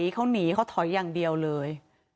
เขาหนีเขาถอยอย่างเดียวเลย